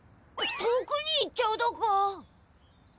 遠くに行っちゃうだか？